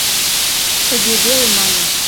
Тыге веле мане: